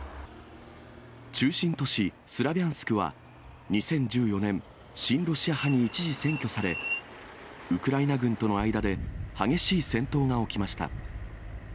中心都市、スラビャンスクは、２０１４年、親ロシア派に一時占拠され、ウクライナ軍との間で激しい戦闘が起きました。